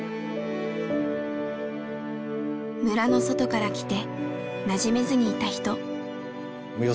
村の外から来てなじめずにいた人。